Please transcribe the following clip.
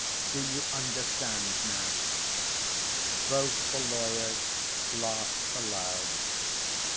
Do you understand now?" Both the lawyers laughed aloud.